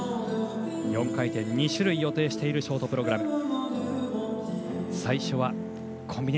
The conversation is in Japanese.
４回転、２種類予定しているショートプログラム。